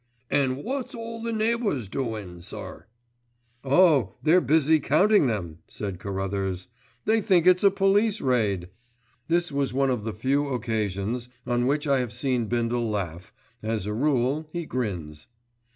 "An' wot's all the neighbours doin', sir." "Oh! they're busy counting them," said Carruthers, "they think it's a police raid." This was one of the few occasions on which I have seen Bindle laugh, as a rule he grins.